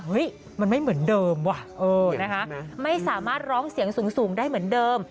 เฮ้ยมันไม่เหมือนเดิมว่ะนะคะไม่สามารถร้องเสียงสูงได้เหมือนเดิม